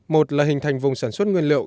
một là hình thành vùng sản xuất nguyên liệu